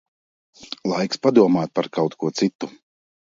Laiks padomāt par kaut ko citu.